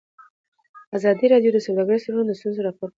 ازادي راډیو د سوداګریز تړونونه ستونزې راپور کړي.